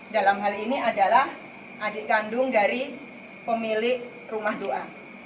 dalam hal ini adalah adik kandung dari pemilik rumah doa